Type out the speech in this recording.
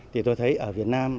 thì tôi thấy ở việt nam